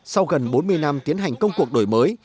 sau gần bốn mươi năm tiến hành công cuộc đổi mới